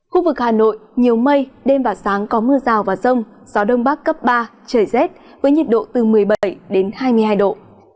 khu vực hà nội nhiều mây đêm và sáng có mưa rào và rông gió đông bắc cấp ba trời rét với nhiệt độ từ một mươi bảy đến hai mươi hai độ